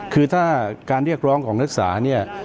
คือถ้าการเรียกร้องของนักศึกษาเนี่ย